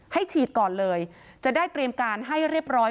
ให้ฉีดก่อนเลยจะได้เตรียมการให้เรียบร้อย